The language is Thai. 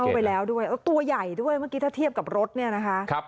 เข้าไปแล้วด้วยแล้วตัวใหญ่ด้วยเมื่อกี้ถ้าเทียบกับรถเนี่ยนะคะ